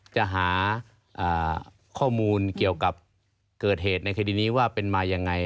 จะหาข้อมูลเกี่ยวกับเกิดเหตุในคดีนี้ว่าเป็นมายังไง